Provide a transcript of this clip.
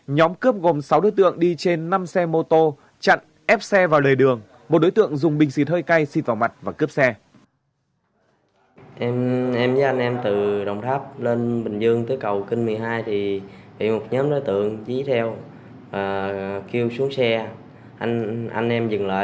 nhóm cướp gồm sáu đối tượng đi trên năm xe mô tô chặn ép xe vào lề đường một đối tượng dùng bình xịt hơi cay xịt vào mặt và cướp xe